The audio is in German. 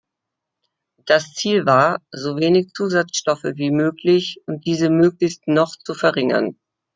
Das Ziel war, sowenig Zusatzstoffe wie möglich und diese möglichst noch zu verringern.